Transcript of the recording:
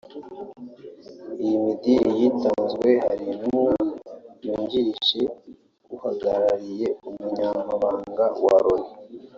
Iy midiri yatanzwe hari intumwa yungirije uhagarariye Umunyamabanga wa Loni